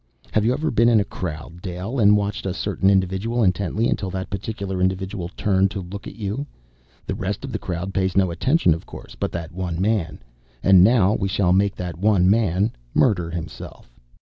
"Have you ever been in a crowd, Dale, and watched a certain individual intently, until that particular individual turned to look at you? The rest of the crowd pays no attention, of course, but that one man. And now we shall make that one man murder himself!"